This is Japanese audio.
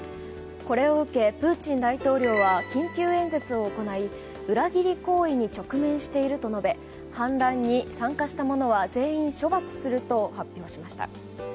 これを受けプーチン大統領は緊急演説を行い、裏切り行為に直面していると述べ反乱に参加した者は全員処罰すると発表しました。